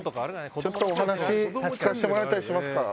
ちょっとお話聞かせてもらえたりしますか？